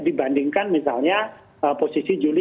dibandingkan misalnya posisi juli dua ribu dua puluh satu